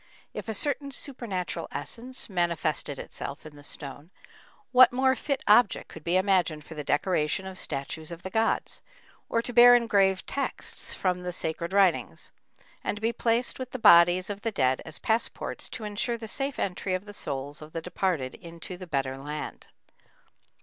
If a certain supernatural essence manifested itself in the stone, what more fit object could be imagined for the decoration of statues of the gods, or to bear engraved texts from the sacred writings, and to be placed with the bodies of the dead as "passports" to ensure the safe entry of the souls of the departed into the better land?